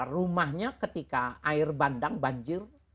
rumahnya ketika air bandang banjir